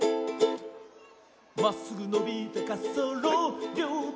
まっすぐのびたかっそうろりょうて